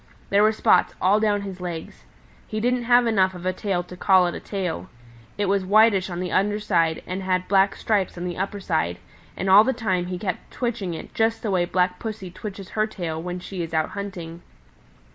There were spots all down his legs. He didn't have enough of a tail to call it a tail. It was whitish on the under side and had black stripes on the upper side, and all the time he kept twitching it just the way Black Pussy twitches her tail when she is out hunting.